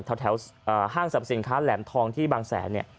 แถวห้างสรรพสินค้าแหลมทองที่บางแสน